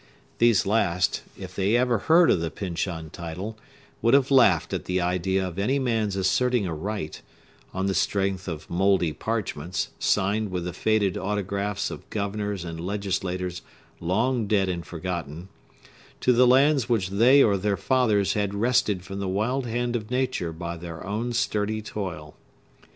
These last, if they ever heard of the Pyncheon title, would have laughed at the idea of any man's asserting a right—on the strength of mouldy parchments, signed with the faded autographs of governors and legislators long dead and forgotten—to the lands which they or their fathers had wrested from the wild hand of nature by their own sturdy toil.